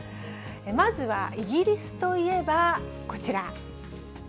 まずはイギリスといえば、こちら。